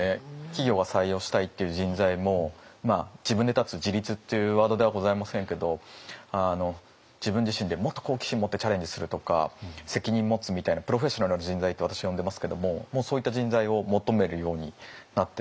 企業が採用したいっていう人材も自分で立つ自立っていうワードではございませんけど自分自身でもっと好奇心持ってチャレンジするとか責任持つみたいなプロフェッショナルな人材って私は呼んでますけどもそういった人材を求めるようになってると思います。